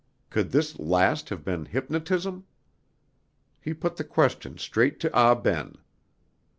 Could this last have been hypnotism? He put the question straight to Ah Ben.